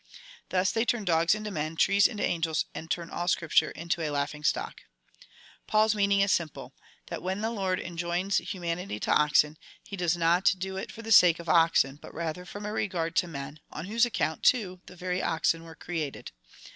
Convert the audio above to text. Thus they turn dogs into men, trees into angels, and turn all scripture into a laughing stock. Paul's meaning is simjile — that, when the Lord enjoins humanity to oxen, he does not do it for the sake of oxen, but rather from a regard to men, on whose account, too, the very oxen were created.